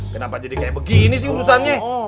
kenapa jadi kayak begini sih urusannya